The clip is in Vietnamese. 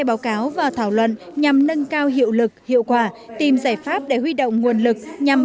báo cáo và thảo luận nhằm nâng cao hiệu lực hiệu quả tìm giải pháp để huy động nguồn lực nhằm